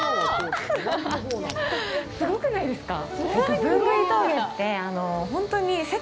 すごくないですか！？